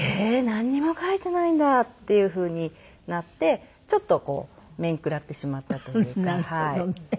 なんにも書いていないんだっていうふうになってちょっと面食らってしまったというか。